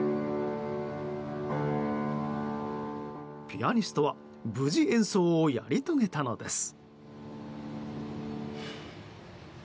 ピアニストは無事、演奏をやり遂げたのです。